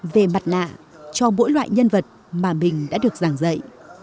về mặt lạ cho mỗi loại nhân vật mà mình đã được giảng dạy